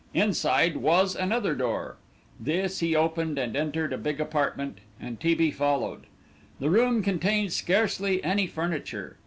Inside was another door. This he opened, and entered a big apartment and T. B. followed. The room contained scarcely any furniture.